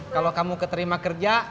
kalau kamu keterima kerja